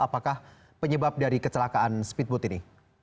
apakah penyebab dari kecelakaan speedboat ini